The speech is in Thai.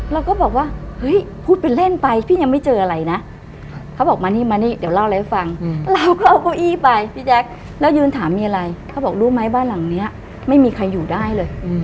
เราก็บอกว่าเฮ้ยพูดเป็นเล่นไปพี่ยังไม่เจออะไรนะเขาบอกมานี่มานี่เดี๋ยวเล่าอะไรให้ฟังเราก็เอาเก้าอี้ไปพี่แจ๊คแล้วยืนถามมีอะไรเขาบอกรู้ไหมบ้านหลังนี้ไม่มีใครอยู่ได้เลย